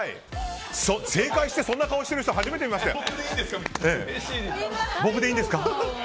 正解してそんな顔してる人初めて見ましたよ。